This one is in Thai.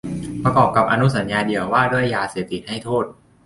ประกอบกับอนุสัญญาเดี่ยวว่าด้วยยาเสพติดให้โทษ